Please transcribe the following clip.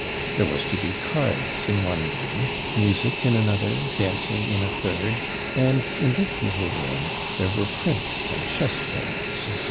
There was to be cards in one room, music in another, dancing in a third, and, in this little room, there were prints and chess boards, etc.